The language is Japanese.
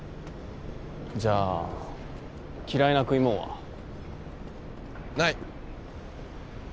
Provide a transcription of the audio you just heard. じゃあ嫌いな食いもんは？ない。